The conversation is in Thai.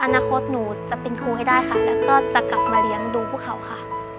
อนาคตหนูจะเป็นครูให้ได้ค่ะแล้วก็จะกลับมาเลี้ยงดูพวกเขาค่ะ